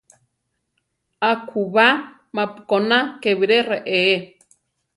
Akúba: mapu koná ké biré reé.